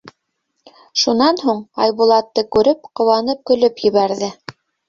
Шунан һуң, Айбулатты күреп, ҡыуанып көлөп ебәрҙе.